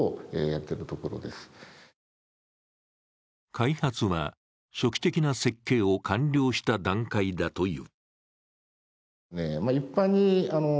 開発は初期的な設計を完了した段階だという。